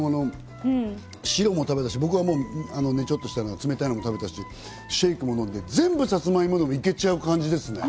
今、サツマイモの白も食べたし、僕はねちょっとした冷たいのも食べたし、シェイクも飲んで全部サツマイモでも行けちゃう感じですね。